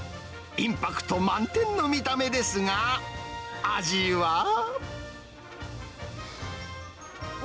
インパクト満点の見た目ですが、味は？